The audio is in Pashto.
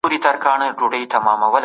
فرد بايد ځان مهم احساس کړي.